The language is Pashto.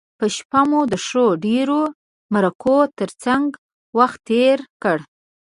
په شپه مو د ښو ډیرو مرکو تر څنګه وخت تیر کړ.